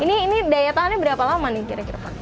ini daya tahannya berapa lama nih kira kira pak